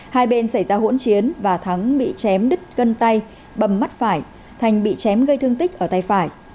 hai bên xảy ra hỗn chiến và thắng bị chém đứt cân tay bầm mắt phải thành bị chém gây thương tích ở tay phải